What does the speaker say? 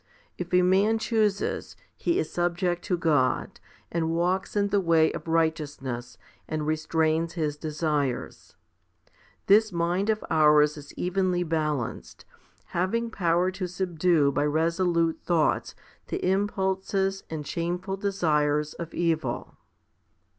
If a man chooses, he is subject to God, and walks in the way of righteousness, and restrains his desires. This mind of ours is evenly balanced, having power to subdue by resolute thoughts the impulses and shameful desires of evil.